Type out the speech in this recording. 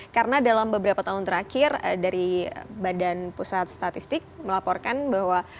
karena dalam beberapa tahun terakhir dari badan pusat statistik melaporkan bahwa